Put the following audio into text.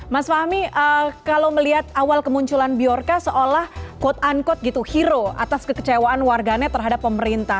mas fahmi kalau melihat awal kemunculan bjorka seolah quote unquote gitu hero atas kekecewaan warganet terhadap pemerintah